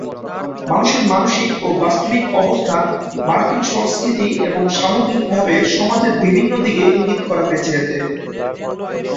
মানুষের মানসিক ও বাস্তবিক অবস্থা, মার্কিন সংস্কৃতি এবং সামগ্রিকভাবে সমাজের বিভিন্ন দিকে ইঙ্গিত করা হয়েছে এতে।